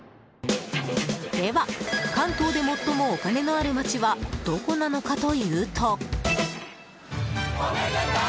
では関東で最もお金のあるまちはどこなのかというと。